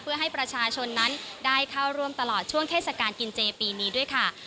เพื่อให้ประชาชนนั้นได้เข้าร่วมตลอดช่วงเทศกาลกินเจปีนี้ด้วยค่ะ